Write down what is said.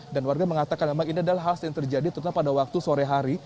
dan warga mengatakan memang ini adalah hal yang terjadi terutama pada waktu sore hari